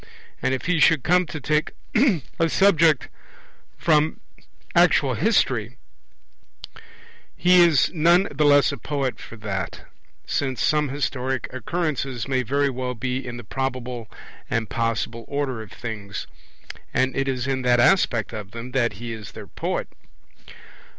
And if he should come to take a subject from actual history, he is none the less a poet for that; since some historic occurrences may very well be in the probable and possible order of things; and it is in that aspect of them that he is their poet.